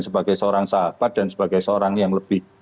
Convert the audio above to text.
sebagai seorang sahabat dan sebagai seorang yang lebih